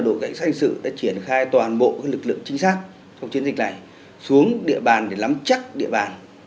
đội cảnh sát hình sự đã triển khai toàn bộ lực lượng trinh sát trong chiến dịch này xuống địa bàn để lắm chắc địa bàn